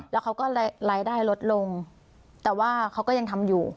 แล้วเขาก็รายได้ลดลงแต่ว่าเขาก็ยังทำอยู่